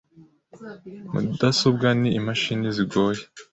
Mudasobwa ni imashini zigoye .